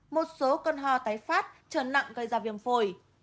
một số cơn ho tái phát trở nặng gây ra viêm phổi